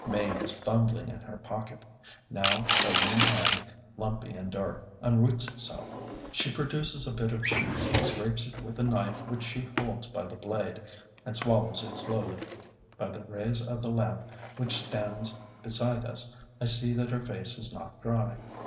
Mame is fumbling in her pocket. Now her lean hand, lumpy and dark, unroots itself. She produces a bit of cheese, scrapes it with a knife which she holds by the blade, and swallows it slowly. By the rays of the lamp, which stands beside us, I see that her face is not dry.